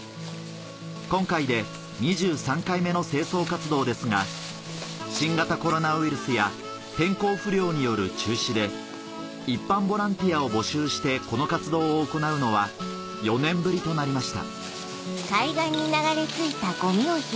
今回で２３回目の清掃活動ですが新型コロナウイルスや天候不良による中止で一般ボランティアを募集してこの活動を行うのは４年ぶりとなりました